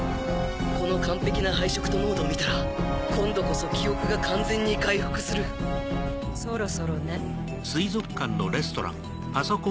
この完璧な配色と濃度を見たら今度こそ記憶が完全に回復するそろそろね。